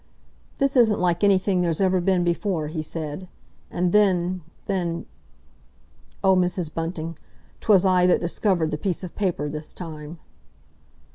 "This isn't like anything there's ever been before," he said. "And then—then—oh, Mrs. Bunting, 'twas I that discovered the piece of paper this time."